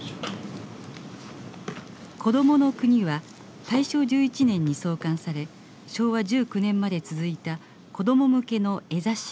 「コドモノクニ」は大正１１年に創刊され昭和１９年まで続いた子ども向けの絵雑誌でした。